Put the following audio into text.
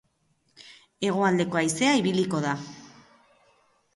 Hegoaldeko haizea ibiliko da.